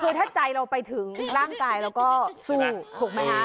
คือถ้าใจเราไปถึงร่างกายเราก็สู้ถูกไหมคะ